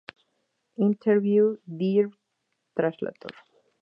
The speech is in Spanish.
Interview; Dear Translator".